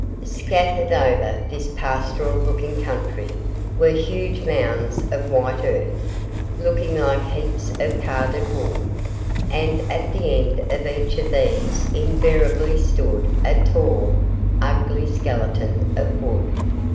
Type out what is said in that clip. Scattered over this pastoral looking country were huge mounds of white earth, looking like heaps of carded wool, and at the end of each of these invariably stood a tall, ugly skeleton of wood.